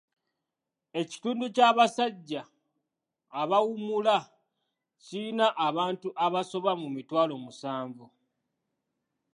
Ekitundu ky'abasajja abaummula kirina abantu abasoba mu mitwalo musanvu.